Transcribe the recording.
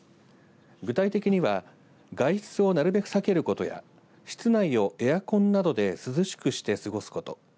具体的には外出をなるべく避けることや室内をエアコンなどで涼しくして過ごすこと。